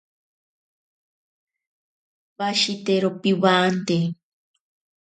Pashitero piwante.